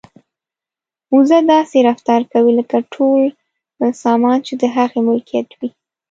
وزه داسې رفتار کوي لکه ټول سامان چې د هغې ملکیت وي.